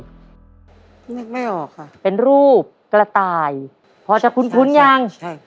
นึกไม่ออกค่ะเป็นรูปกระต่ายพอจะคุ้นยังใช่